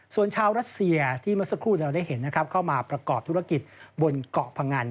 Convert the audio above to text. ส่วนชาวรัสเซียที่เมื่อสักครู่เราได้เห็นนะครับเข้ามาประกอบธุรกิจบนเกาะพงัน